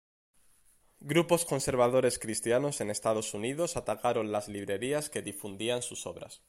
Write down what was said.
Grupos conservadores cristianos en Estados Unidos atacaron las librerías que difundían sus obras.